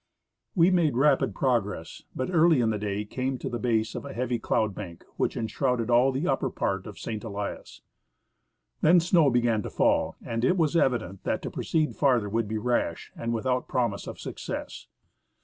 We made rapid progress, but early in the day came to the base of a heavy cloud bank which enshrouded all the upper part of St. Elias. Then snow began to fall, and it was evident that to proceed farther would be rash and Avithout promise of success.